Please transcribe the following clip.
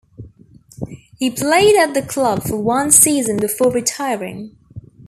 He played at the club for one season before retiring.